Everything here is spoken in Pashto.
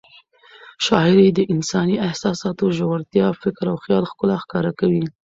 شاعري د انساني احساساتو ژورتیا، فکر او خیال ښکلا ښکاره کوي.